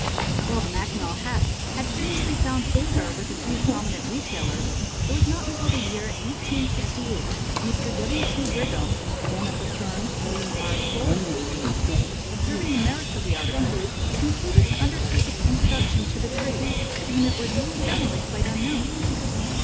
While the Mackinaw hat had previously found favor with a few prominent retailers, it was not until the year 1868 that Mr. W. T. Brigham, then of the firm of Wm. R. Cole & Co., observing the merits of the article, concluded to undertake its introduction to the trade, to whom it was generally quite unknown.